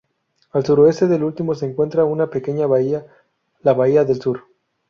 Al suroeste del último se encuentra una pequeña bahía, la bahía del Sur.